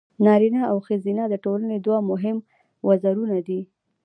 نارینه او ښځینه د ټولنې دوه مهم وزرونه دي.